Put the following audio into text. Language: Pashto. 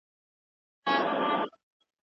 زه که میین نه یمه، نو دا ولې؟